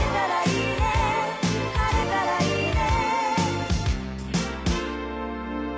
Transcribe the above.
「晴れたらいいね」